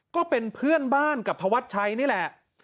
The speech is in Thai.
ก็เป็นเพื่อนบ้านกับธวัชชัยนี่แหละ